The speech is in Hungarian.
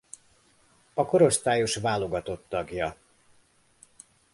A korosztályos válogatott tagja.